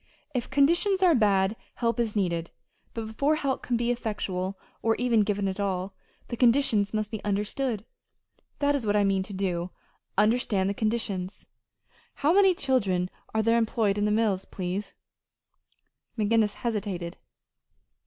If conditions are bad, help is needed; but before help can be effectual, or even given at all, the conditions must be understood. That is what I mean to do understand the conditions. How many children are there employed in the mills, please?" McGinnis hesitated.